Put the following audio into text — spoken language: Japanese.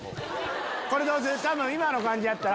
多分今の感じやったら。